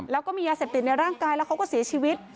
แล้วก็มียาเสพติดในร่างกายแล้วเขาก็เสียชีวิต